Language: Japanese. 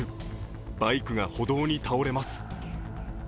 バイクが歩道に倒れます。